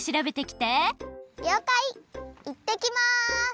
いってきます！